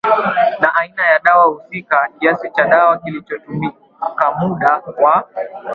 na aina ya dawa husika kiasi cha dawa kilichotumikamuda wa